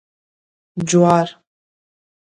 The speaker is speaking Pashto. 🌽 جوار